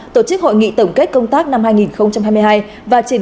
tổ chức hội nghị tổng kết công tác năm hai nghìn hai mươi hai và